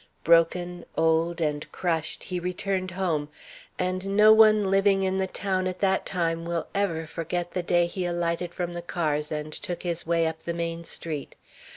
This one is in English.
Broken, old, and crushed, he returned home, and no one living in the town at that time will ever forget the day he alighted from the cars and took his way up the main street.